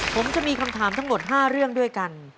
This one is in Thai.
ผมจะมีคำถามทั้งหมด๕เรื่องด้วยกัน